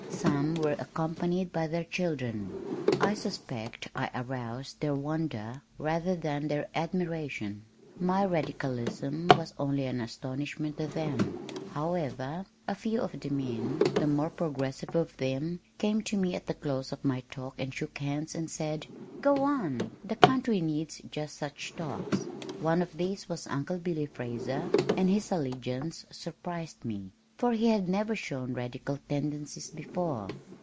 Some were accompanied by their children. I suspect I aroused their wonder rather than their admiration. My radicalism was only an astonishment to them. However, a few of the men, the more progressive of them, came to me at the close of my talk and shook hands and said, "Go on! The country needs just such talks." One of these was Uncle Billy Frazer and his allegiance surprised me, for he had never shown radical tendencies before.